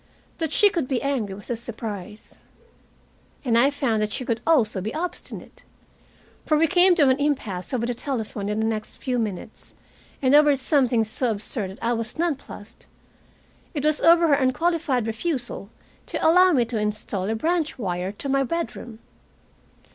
That she could be angry was a surprise. And I found that she could also be obstinate. For we came to an impasse over the telephone in the next few minutes, and over something so absurd that I was non plussed. It was over her unqualified refusal to allow me to install a branch wire to my bedroom.